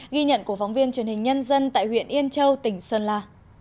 ghi nhận của phóng viên truyền hình nhân dân tại huyện yên châu tỉnh sơn la